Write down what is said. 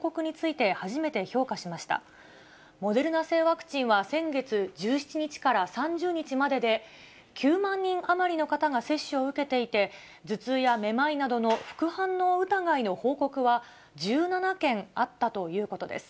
製ワクチンは先月１７日から３０日までで９万人余りの方が接種を受けていて、頭痛やめまいなどの副反応疑いの報告は１７件あったということです。